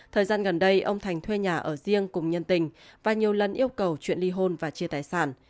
thời gian gần đây ông thành thuê nhà ở riêng cùng nhân tình và nhiều lần yêu cầu chuyện ly hôn và chia tài sản